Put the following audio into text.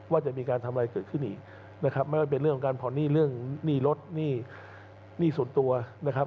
ว่าจะมีการทำอะไรเกิดขึ้นอีกนะครับไม่ว่าเป็นเรื่องของการผ่อนหนี้เรื่องหนี้รถหนี้ส่วนตัวนะครับ